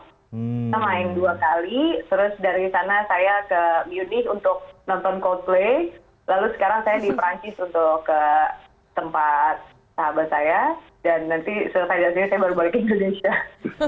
kita main dua kali terus dari sana saya ke munie untuk nonton coldplay lalu sekarang saya di perancis untuk ke tempat sahabat saya dan nanti selesai di sini saya baru balik ke indonesia